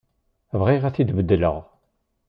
Bɣiɣ ad t-id-beddleɣ.